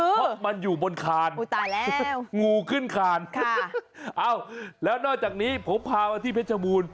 เพราะมันอยู่บนคานตายแล้วงูขึ้นคานเอ้าแล้วนอกจากนี้ผมพามาที่เพชรบูรณ์